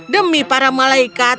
demi para malaikat